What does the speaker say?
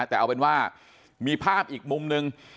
แต่เอาเป็นว่ามีภาพอีกมุมนึง